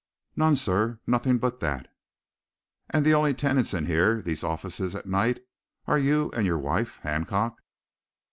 "None, sir nothing but that." "And the only tenants in here these offices at night are you and your wife, Hancock?"